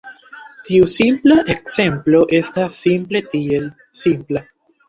Tiu simpla ekzemplo estas simple tiel: simpla.